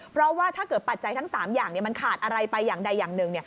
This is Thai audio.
เพราะว่าถ้าเกิดปัจจัยทั้ง๓อย่างมันขาดอะไรไปอย่างใดอย่างหนึ่ง